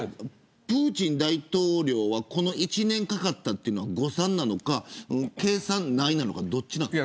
プーチン大統領はこの１年かかったというのは誤算なのか計算内なのかどっちですか。